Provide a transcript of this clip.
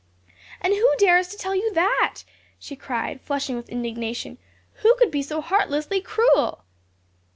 "And who dares to tell you that?" she cried, flushing with indignation, "who could be so heartlessly cruel?"